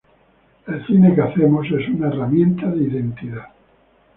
El cine que hacemos es una herramienta de identidad.